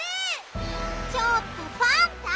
ちょっとパンタ！